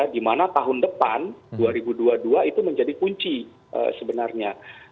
dimana tahun depan dua ribu dua puluh dua itu menjadi kunci sebenarnya